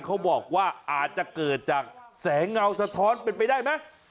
เขาบอกว่าอาจจะเกิดจากแสงเงาสะท้อนเป็นไปได้ไหม